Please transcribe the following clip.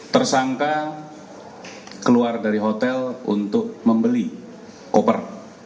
tersangka keluar dari hotel untuk membeli koper